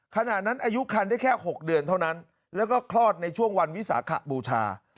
ขณะนั้นอายุคันได้แค่๖เดือนเท่านั้นแล้วก็คลอดในช่วงวันวิสาขบูชา